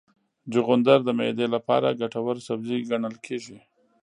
چغندر د معدې لپاره ګټور سبزی ګڼل کېږي.